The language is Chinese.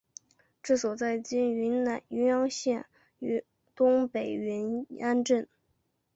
治所在今云阳县东北云安镇。